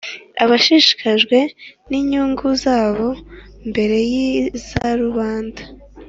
abashishikajwe n' inyungu zabo mbere y' iza rubanda